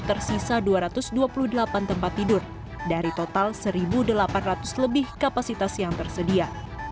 tersisa dua ratus dua puluh delapan tempat tidur dari total satu delapan ratus lebih kapasitas yang tersedia